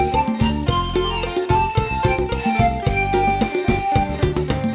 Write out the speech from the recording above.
ผู้สาวแก้มแดงเคียงคู่ไปกับเขา